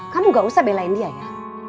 kamu gak usah belain dia ya